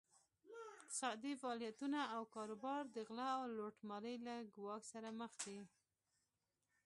اقتصادي فعالیتونه او کاروبار د غلا او لوټمارۍ له ګواښ سره مخ دي.